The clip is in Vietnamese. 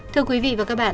thưa quý vị và các bạn